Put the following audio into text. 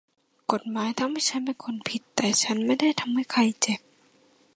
กฎหมายทำให้ฉันเป็นคนผิดแต่ฉันไม่ได้ทำให้ใครเจ็บ